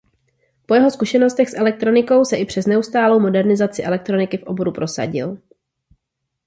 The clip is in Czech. Po jeho zkušenostech s elektronikou se i přes neustálou modernizaci elektroniky v oboru prosadil.